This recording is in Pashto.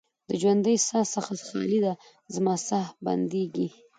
د ژوندۍ ساه څخه خالي ده، زما ساه بندیږې